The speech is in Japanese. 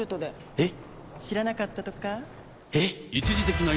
えっ！